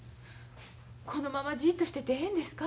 このままじっとしててええんですか？